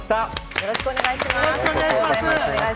よろしくお願いします。